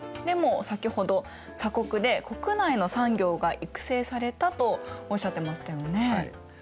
でも先ほど鎖国で国内の産業が育成されたとおっしゃってましたよね。